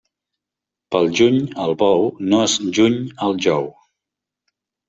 Pel juny el bou no es juny al jou.